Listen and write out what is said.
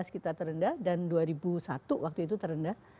dua ribu lima belas kita terendah dan dua ribu satu waktu itu terendah